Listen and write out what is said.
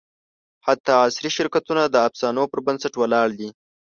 حتی عصري شرکتونه د افسانو پر بنسټ ولاړ دي.